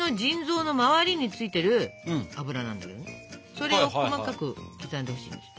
それを細かく刻んでほしいんですよ。